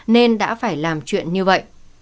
nên đã phải làm chuyện như vậy